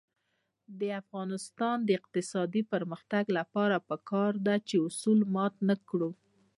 د افغانستان د اقتصادي پرمختګ لپاره پکار ده چې اصول مات نکړو.